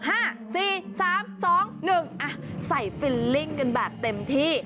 อ่ะใส่ฟิลลิ่งกันแบบเต็มที่